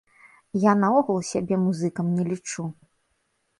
Я наогул сябе музыкам не лічу.